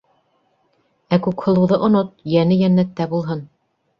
Ә Күкһылыуҙы онот: йәне йәннәттә булһын.